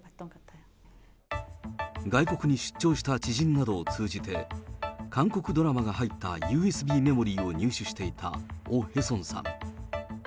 外国に出張した知人などを通じて、韓国ドラマが入ったＵＳＢメモリーを入手していたオ・ヘソンさん。